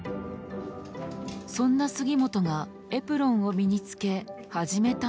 そんな杉本がエプロンを身につけ始めたのは。